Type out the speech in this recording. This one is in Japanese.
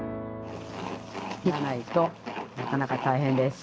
切らないとなかなか大変です。